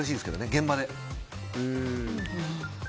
現場では。